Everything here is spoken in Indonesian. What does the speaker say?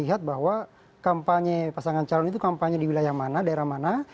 lihat bahwa kampanye pasangan calon itu kampanye di wilayah mana daerah mana